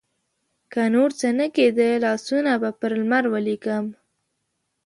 که نورڅه نه کیده، لاسونه به پر لمر ولیکم